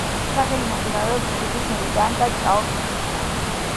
სახელი მომდინარეობს ტუპის ენიდან და „ჭაობს“ ნიშნავს.